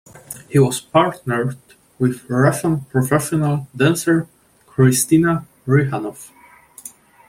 He was partnered with Russian professional dancer Kristina Rihanoff.